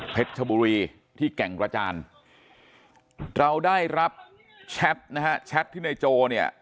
ชบุรีที่แก่งกระจานเราได้รับแชทนะฮะแชทที่ในโจเนี่ย